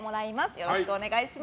よろしくお願いします。